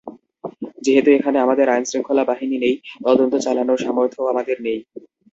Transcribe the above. যেহেতু এখানে আমাদের আইনশৃঙ্খলা বাহিনী নেই, তদন্ত চালানোর সামর্থ্যও আমাদের নেই।